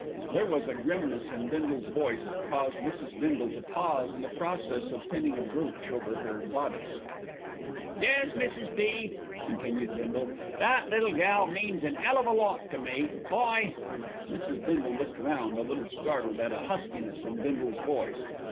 There was a grimness in Bindle's voice that caused Mrs. Bindle to pause in the process of pinning a brooch in her bodice. "Yes, Mrs. B.," continued Bindle, "that little gal means an 'ell of a lot to me, I " Mrs. Bindle looked round, a little startled at a huskiness in Bindle's voice.